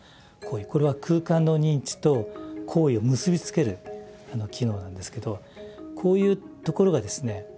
これは空間の認知と行為を結び付ける機能なんですけどこういうところがですね